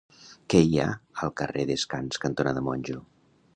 Què hi ha al carrer Descans cantonada Monjo?